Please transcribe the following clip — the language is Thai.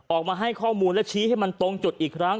ออกมาให้ข้อมูลและชี้ให้มันตรงจุดอีกครั้ง